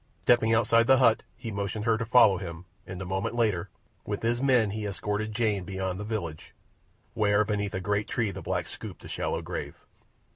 Stepping outside the hut, he motioned her to follow him, and a moment later, with his men, he escorted Jane beyond the village, where beneath a great tree the blacks scooped a shallow grave.